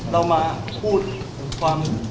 เรามาพูดความ